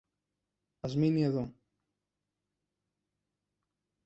Ας μείνει εδώ.